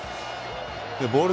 ボール